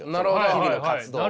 日々の活動を。